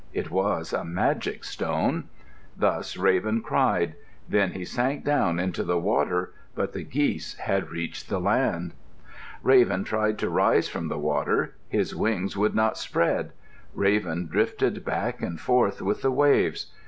It was a magic stone. Thus Raven cried. Then he sank down into the water, but the geese had reached the land. Raven tried to rise from the water. His wings would not spread. Raven drifted back and forth with the waves.